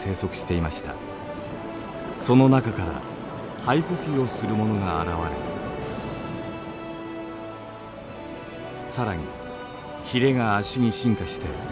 その中から肺呼吸をするものが現れ更にひれが足に進化して陸上に進出。